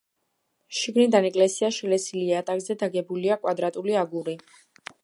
შიგნიდან ეკლესია შელესილია, იატაკზე დაგებულია კვადრატული აგური.